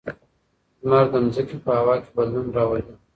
لمر د ځمکې په هوا کې بدلون راولي.